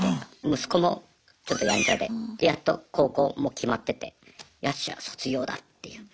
息子もちょっとやんちゃででやっと高校も決まっててよっしゃ卒業だっていう。